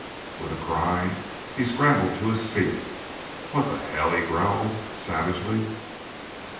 With a cry he scrambled to his feet. "What the hell ?" he growled, savagely.